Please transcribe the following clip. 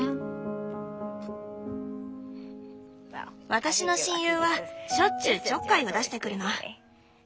私の親友はしょっちゅうちょっかいを出してくるの。